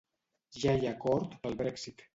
Ja hi ha acord pel Brexit